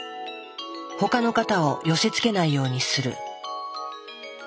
他の型を寄せつけないようにする。